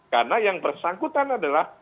karena yang bersangkutan adalah